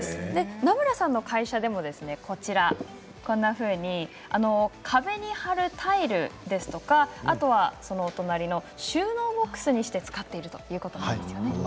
南村さんの会社でも壁に貼るタイルですとか収納ボックスにして使っているということなんですよね。